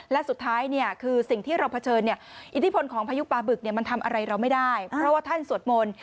และสุดท้ายเนี่ยคือสิ่งที่เราเผชิญอิทธิพลของพายุปลาบึกมันทำอะไรเราไม่ได้เพราะว่าท่านสวดมนต์